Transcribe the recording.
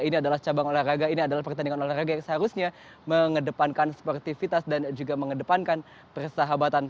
ini adalah cabang olahraga ini adalah pertandingan olahraga yang seharusnya mengedepankan sportivitas dan juga mengedepankan persahabatan